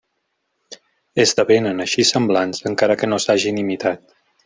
Esdevenen així semblants, encara que no s'hagin imitat.